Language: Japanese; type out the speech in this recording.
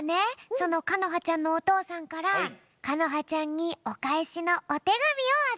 そのかのはちゃんのおとうさんからかのはちゃんにおかえしのおてがみをあずかっているぴょん。